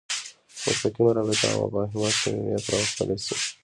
مستقیمه رابطه او مفاهمه صمیمیت راوستلی شي.